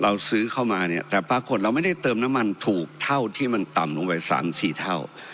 เราซื้อเข้ามาเนี่ยแต่ปรากฏเราไม่ได้เติมน้ำมันถูกเท่าที่มันต่ำลงไป๓๔เท่า